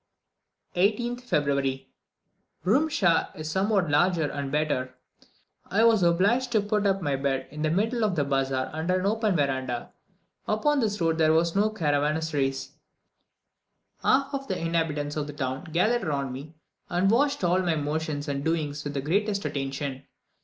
18th February. Rumtscha is somewhat larger and better. I was obliged to put up my bed in the middle of the bazaar under an open verandah. Upon this road there were no caravansaries. Half of the inhabitants of the town gathered round me, and watched all my motions and doings with the greatest attention.